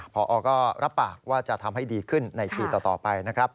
พอก็รับปากว่าจะทำให้ดีขึ้นในปีต่อไปนะครับ